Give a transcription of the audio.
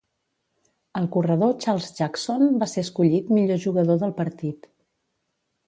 El corredor Charles Jackson va ser escollit millor jugador del partit.